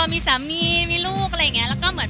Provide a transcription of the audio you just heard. มีสามีมีลูกอะไรอย่างเงี้ย